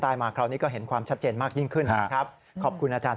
มาคราวนี้ก็เห็นความชัดเจนมากยิ่งขึ้นนะครับขอบคุณอาจารย์